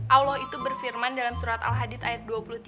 allah itu berfirman dalam surat al hadid ayat dua puluh tiga